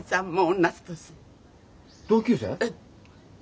同級生？